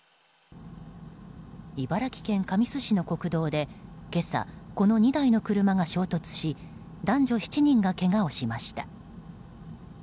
茨城県神栖市の国道で今朝、この２台の車が衝突し男女７人がけがをしました。